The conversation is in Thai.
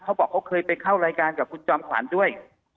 เขาบอกเขาเคยไปเข้ารายการกับคุณจอมขวัญด้วย